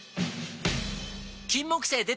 金木犀でた！